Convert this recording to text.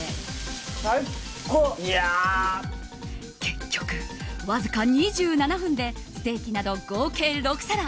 結局、わずか２７分でステーキなど合計６皿。